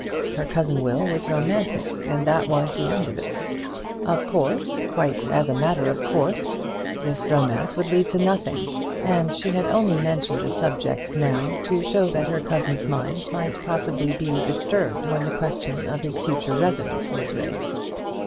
Her cousin Will was romantic, and that was the end of it. Of course, quite as a matter of course, this romance would lead to nothing; and she had only mentioned the subject now to show that her cousin's mind might possibly be disturbed when the question of his future residence was raised.